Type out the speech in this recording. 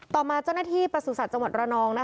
ต่อมาเจ้าหน้าที่ประสุทธิ์จังหวัดระนอง